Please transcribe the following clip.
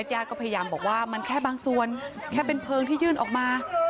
ญาติก็พยายามบอกว่ามันแค่บางส่วนแค่เป็นเพลิงที่ยื่นออกมา